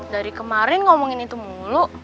dari kemarin ngomongin itu mulu